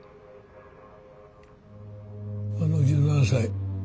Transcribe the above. あの１７才